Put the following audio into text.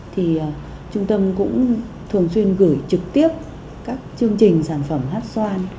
thì trung tâm cũng thường xuyên gửi trực tiếp các chương trình sản phẩm hát xoan